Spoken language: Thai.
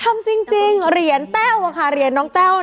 ทำจริงเหรียญแต้วค่ะเหรียญน้องแต้ว